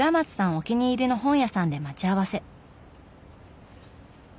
お気に入りの本屋さんで待ち合わせ。